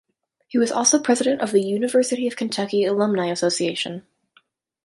He was also president of the University of Kentucky Alumni Association.